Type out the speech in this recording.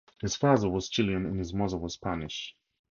His father was Chilean and his mother was Spanish.